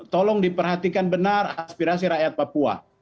tolong diperhatikan benar aspirasi rakyat papua